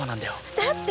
だって！